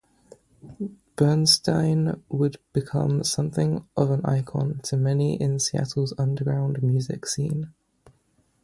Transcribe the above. Bernstein would become something of an icon to many in Seattle's underground music scene.